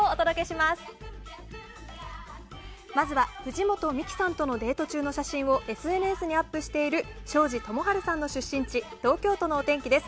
まずは藤本美貴さんとのデート中との写真をＳＮＳにアップしている庄司智春さんの出身地東京都のお天気です。